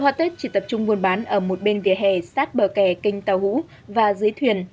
chợ hoa tết chỉ tật công là một chỗ chung vườn bán ở một bên vỉa hè sát bờ kè kênh tàu hũ và dưới thuyền